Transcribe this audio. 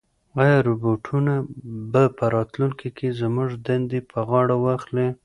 ایا روبوټونه به په راتلونکي کې زموږ دندې په غاړه واخلي؟